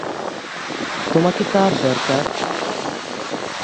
তোমাকে কার দরকার?